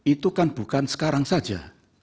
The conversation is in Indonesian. itu kan bukan sekarang saja